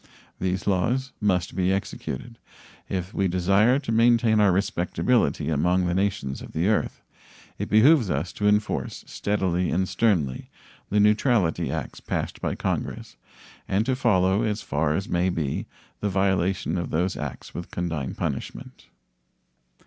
These laws must be executed. If we desire to maintain our respectability among the nations of the earth, it behooves us to enforce steadily and sternly the neutrality acts passed by Congress and to follow as far as may be the violation of those acts with condign punishment.